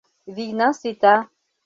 Вийна сита.